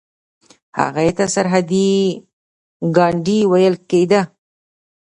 هغه ته سرحدي ګاندي ویل کیده.